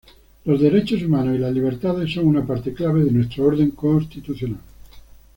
Los derechos humanos y las libertades son una parte clave de nuestro orden constitucional.